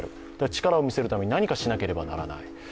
力を見せるために何かしなければならない。